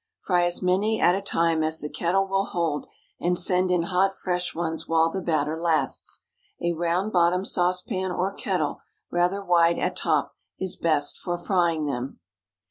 Fry as many at a time as the kettle will hold, and send in hot fresh ones while the batter lasts. A round bottomed saucepan or kettle, rather wide at top, is best for frying them.